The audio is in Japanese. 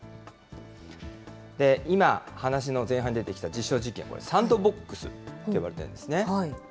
今、話の前半に出てきた実証実験、これ、サンドボックスっていわれてるんですね。